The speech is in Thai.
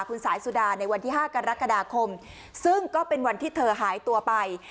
คุณสายสุดาในวันที่๕กรกฎาคมซึ่งก็เป็นวันที่เธอหายตัวไป